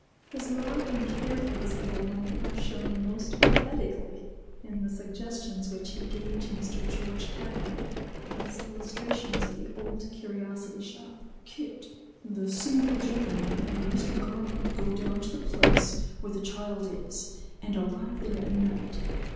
His love and care for this little one are shown most pathetically in the suggestions which he gave to Mr. George Cattermole for his illustrations of the "Old Curiosity Shop." "Kit, the single gentleman, and Mr. Garland go down to the place where the child is and arrive there at night.